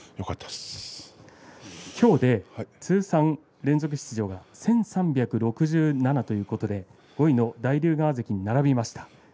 きょうで通算連続出場が１３６７ということで５位の大竜川関に並びました。